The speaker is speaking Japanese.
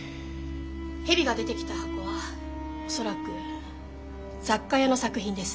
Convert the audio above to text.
蛇が出てきた箱は恐らく雑貨屋の作品です。